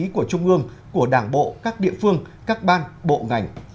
các tầng lớp nhân dân cũng có thể gửi thư góp ý của trung ương của đảng bộ các địa phương các ban bộ ngành